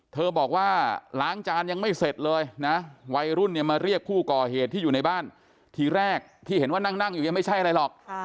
บอกว่าล้างจานยังไม่เสร็จเลยนะวัยรุ่นเนี่ยมาเรียกผู้ก่อเหตุที่อยู่ในบ้านทีแรกที่เห็นว่านั่งอยู่ยังไม่ใช่อะไรหรอก